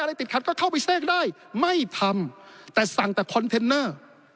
ติดขัดก็เข้าไปแทรกได้ไม่ทำแต่สั่งแต่คอนเทนเนอร์